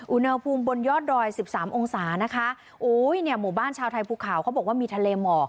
อุณหภูมิบนยอดรอย๑๓องศานะคะว่ามุบันชาวไทยภูเขาเขาบอกว่ามีทะเลหม่อ